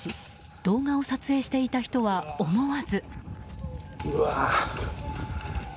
動画を撮影していた人は思わず。